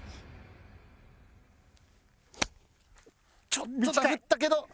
ちょっとダフったけど。